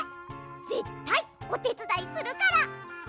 ぜったいおてつだいするから。